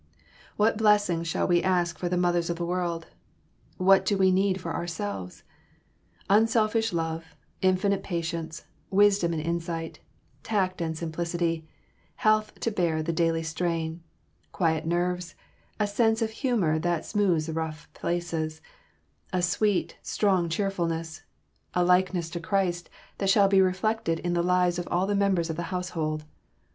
What blessings shall we ask for the mothers of the world? What do we need for ourselves? Unselfish love, infinite patience, wisdom and insight, tact and sympathy, health to bear the daily strain, quiet nerves, a sense of humor that smooths rough places, a sweet, strong cheerfulness, a likeness to Christ that shall be reflected in the lives of all the members of the household.